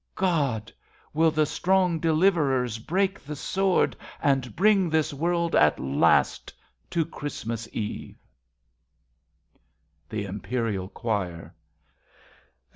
God, will the strong deliverers break the sword 73 RADA And bring this world at last to Christ mas Eve ? The Imperial Choir.